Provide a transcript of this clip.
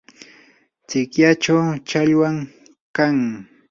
sikyachaw challwam kan.